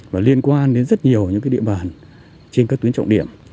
và liên quan đến rất nhiều những địa bàn trên các tuyến trọng điểm